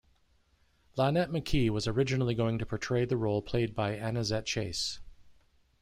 Lonette McKee was originally going to portray the role played by Annazette Chase.